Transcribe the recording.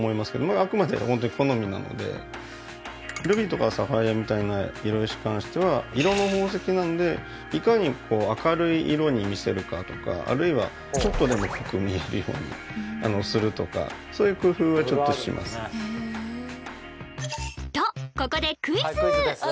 あくまでホントに好みなのでルビーとかサファイアみたいな色石に関しては色の宝石なのでいかに明るい色に見せるかとかあるいはちょっとでも濃く見えるようにするとかそういう工夫はちょっとしますとここでクイズ！